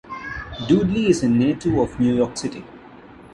Dudley is a native of New York City.